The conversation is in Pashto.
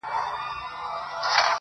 دوې یې سترګي وې په سر کي غړېدلې!.